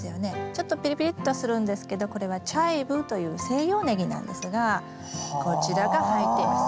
ちょっとピリピリっとするんですけどこれはチャイブという西洋ネギなんですがこちらが入っています。